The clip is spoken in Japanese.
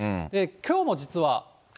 きょうも実は。